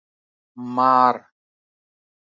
🪱 مار